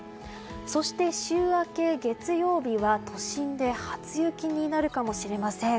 そして、週明け月曜日は都心で初雪になるかもしれません。